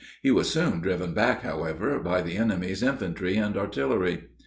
He was soon driven back, however, by the enemy's infantry and artillery.